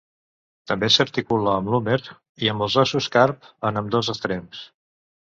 També s'articula amb l'húmer i amb els ossos carp en ambdós extrems.